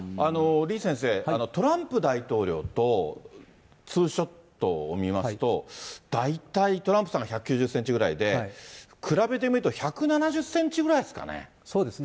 李先生、トランプ大統領とツーショットを見ますと、大体トランプさんが１９０センチぐらいで、比べてみると１７０センチぐらいですかね。